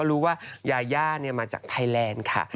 รู้ว่ายาย่ามาจากไทยแลนด์ค่ะ